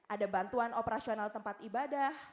ada bantuan operasional tempat ibadah